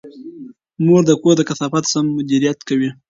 مور د کور د کثافاتو سم مدیریت کوي.